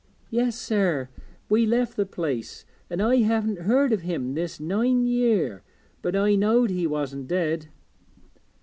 'Yes, sir, we left the place, an' I haven't heard o' him this nine year, but I knowed he wasn't dead.'